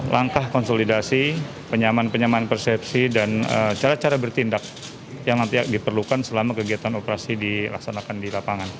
langkah konsolidasi penyaman penyamaan persepsi dan cara cara bertindak yang nanti diperlukan selama kegiatan operasi dilaksanakan di lapangan